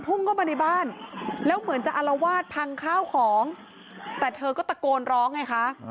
พุ่งเข้ามาในบ้านแล้วเหมือนจะอารวาสพังข้าวของแต่เธอก็ตะโกนร้องไงคะ